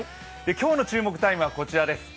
今日の注目タイムはこちらです。